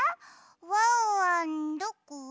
ワンワンどこ？